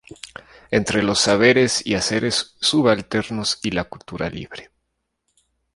entre los saberes y haceres subalternos y la cultura libre.